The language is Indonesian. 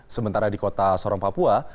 sementara di kota sorong papua